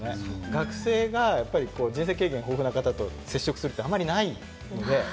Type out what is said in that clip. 学生が人生経験豊富な方と接触するってあまりないので。